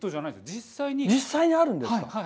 実際にあるんです。